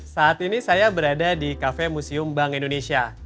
saat ini saya berada di kafe museum bank indonesia